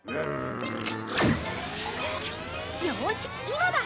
よし今だ！